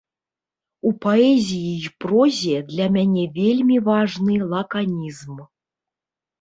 У паэзіі і прозе для мяне вельмі важны лаканізм.